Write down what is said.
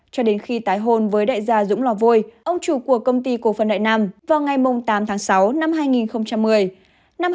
cho đến khi tái hôn với đại gia dũng lò vôi ông chủ của công ty cổ phần đại nam vào ngày tám tháng sáu năm hai nghìn một mươi